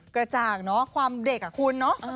กระจ่างเนอะความเด็กอ่ะคุณเนาะ